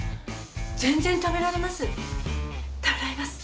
全然食べられます。